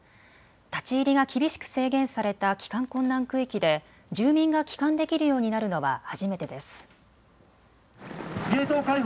立ち入りが厳しく制限された帰還困難区域で住民が帰還できるようになるのは初めてです。